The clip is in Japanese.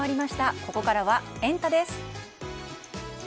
ここからはエンタ！です。